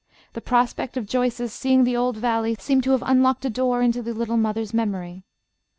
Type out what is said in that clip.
The prospect of Joyce's seeing the old valley seemed to have unlocked a door into the little mother's memory.